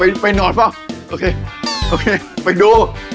ไปไปนอนเปล่าโอเคโอเคไปดู